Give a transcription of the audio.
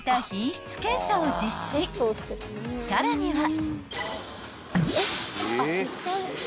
［さらには］